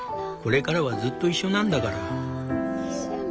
これからはずっと一緒なんだから」。